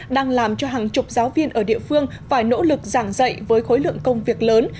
đang làm cho hàng chục giáo viên ở địa phương phải nỗ lực giảng dạy với khối lượng công việc lớn